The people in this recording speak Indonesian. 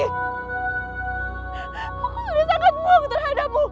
aku sudah sangat bohong terhadapmu